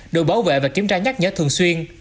đội bảo vệ và kiểm tra nhắc nhớ thường xuyên